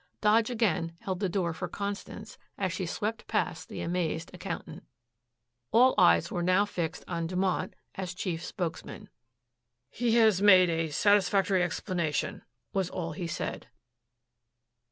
Dodge again held the door for Constance as she swept past the amazed accountant. All eyes were now fixed on Dumont as chief spokesman. "He has made a satisfactory explanation," was all he said.